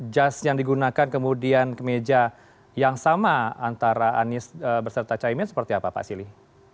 jas yang digunakan kemudian kemeja yang sama antara anies berserta caimin seperti apa pak silih